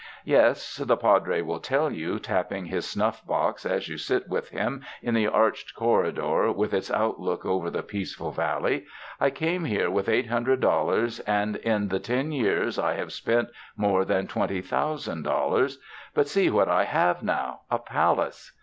"Yes," the Padre will tell you, tapping his snuff box, as you sit with him in the arched corridor with its outlook over the peaceful valley, "I came here with eight hundred dollars, and in the ten years I have spent more than twenty thousand dollars; but see what I have now — a palace!